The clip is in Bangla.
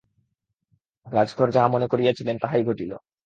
রাজধর যাহা মনে করিয়াছিলেন, তাহাই ঘটিল।